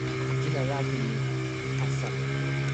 Jina lake ni Hasani